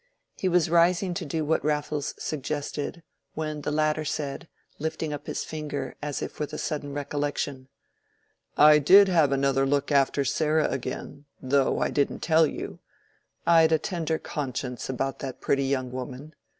He was rising to do what Raffles suggested, when the latter said, lifting up his finger as if with a sudden recollection— "I did have another look after Sarah again, though I didn't tell you; I'd a tender conscience about that pretty young woman.